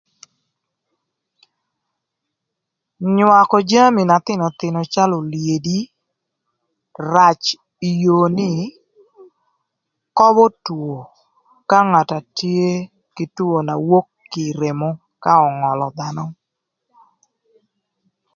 Nywakö jami na thïnöthïnö calö olyedi rac ï yoo nï köbö two ka ngat na tye kï two na wok kï ï remo ka öngölö dhanö.